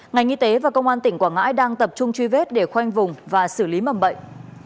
ngành y tế và công an tỉnh quảng ngãi đang tập trung truy vết để khoanh vùng và xử lý mầm bệnh